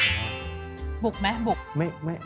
บุกไหมบุก